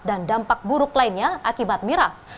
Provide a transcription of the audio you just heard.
dan dampak buruk lainnya akibat miras